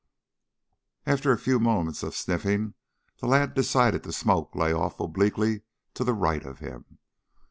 After a few moments of sniffing the lad decided that smoke lay off obliquely to the right of him.